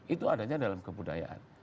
itu adanya dalam kebudayaan